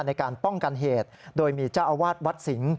ในการป้องกันเหตุโดยมีจ้าอวาดวัตต์สิงฯ